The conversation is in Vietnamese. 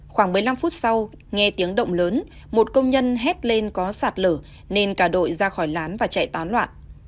khoảng một mươi năm phút sau nghe tiếng động lớn một công nhân hét lên có sạt lở nên cả đội ra khỏi lán và chạy tán loạn